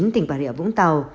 tỉnh bà rịa vũng tàu